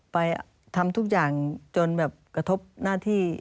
ไปทำทุกอย่างจนแบบกระทบหน้าที่